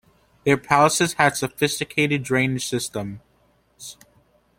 Their palaces had sophisticated drainage systems.